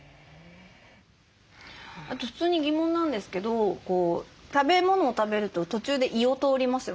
あと普通に疑問なんですけど食べ物を食べると途中で胃を通りますよね。